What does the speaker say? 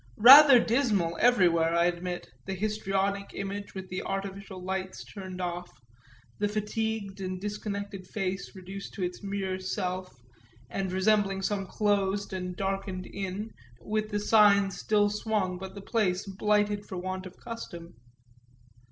Rather dismal, everywhere, I admit, the histrionic image with the artificial lights turned off the fatigued and disconnected face reduced to its mere self and resembling some closed and darkened inn with the sign still swung but the place blighted for want of custom.